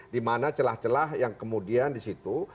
dimana celah celah yang kemudian disitu